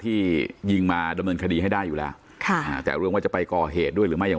ที่ยิงมาดำเนินคดีให้ได้อยู่แล้วค่ะอ่าแต่เรื่องว่าจะไปก่อเหตุด้วยหรือไม่อย่าง